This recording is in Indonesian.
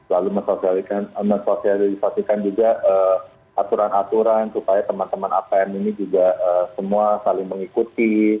lalu mensosialisasikan juga aturan aturan supaya teman teman apm ini juga semua saling mengikuti